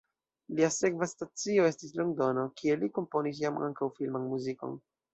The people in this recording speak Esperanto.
Lia sekva stacio estis Londono, kie li komponis jam ankaŭ filman muzikon.